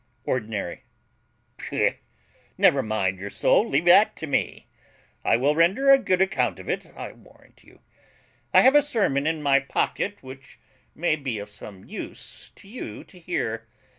ORDINARY. Pugh! Never mind your soul leave that to me; I will render a good account of it, I warrant you. I have a sermon in my pocket which may be of some use to you to hear.